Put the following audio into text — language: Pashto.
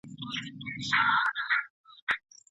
ولي هڅاند سړی د با استعداده کس په پرتله خنډونه ماتوي؟